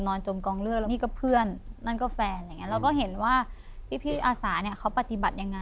จมกองเลือดแล้วนี่ก็เพื่อนนั่นก็แฟนอย่างเงี้เราก็เห็นว่าพี่อาสาเนี่ยเขาปฏิบัติยังไง